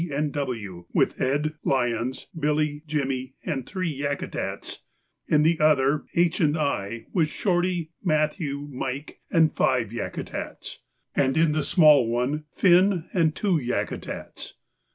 and W., with Ed., Lyons, Billy, Jimmy, and three Yakutats; in the other, H. and I, with Shorty, Matthew, Mike, and five Yakutats; and in the small one Finn and two Yakutats.